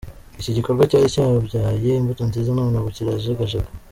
Iki gikorwa cyari cyabyaye imbuto nziza none ubu kirajegajega.